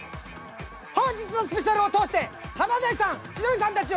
本日のスペシャルを通して華大さん